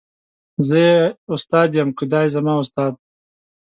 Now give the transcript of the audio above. زه یې استاد یم که دای زما استاد دی.